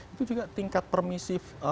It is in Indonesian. itu juga tingkat permisif